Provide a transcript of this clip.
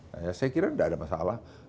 nah saya kira tidak ada masalah